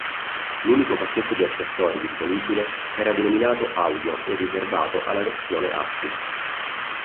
L'unico pacchetto di accessori disponibile era denominato "Audio" e riservato alla versione "Active".